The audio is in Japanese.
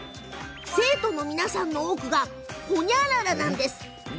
生徒の皆さんの多くがほにゃららなんです。